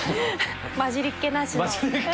まじりっ気なしの。